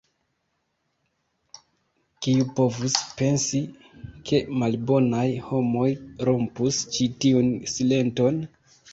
Kiu povus pensi, ke malbonaj homoj rompus ĉi tiun silenton?